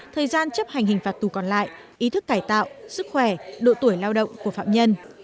thời gian chấp hành hình phạt tù còn lại ý thức cải tạo sức khỏe độ tuổi lao động của phạm nhân